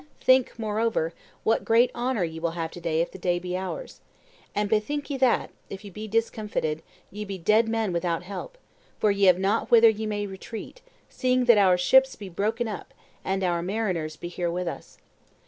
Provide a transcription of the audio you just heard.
Think, moreover, what great honor ye will have to day if the day be ours. And bethink ye that, if ye be discomfited, ye be dead men without help; for ye have not whither ye may retreat, seeing that our ships be broken up, and our mariners be here with us.